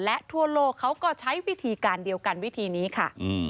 และทั่วโลกเขาก็ใช้วิธีการเดียวกันวิธีนี้ค่ะ